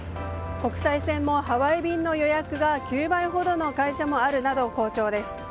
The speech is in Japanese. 国際線もハワイ便の予約が９倍ほどの会社もあるなど好調です。